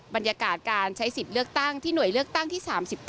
บรรยากาศการใช้สิทธิ์เลือกตั้งที่หน่วยเลือกตั้งที่๓๙